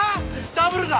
ダブルだ！